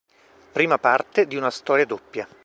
Prima parte di una storia doppia.